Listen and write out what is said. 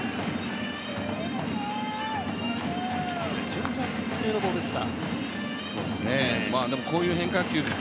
チェンジアップ系のボールですか。